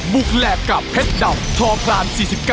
แหลกกับเพชรดำทอพราน๔๙